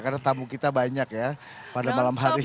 karena tamu kita banyak ya pada malam hari ini